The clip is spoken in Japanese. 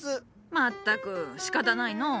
まったくしかたないのう。